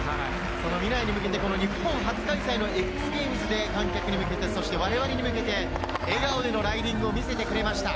その未来に向けて日本初開催のＸＧａｍｅｓで観客に向けて、そして我々に向けて、笑顔でのライディングを見せてくれました。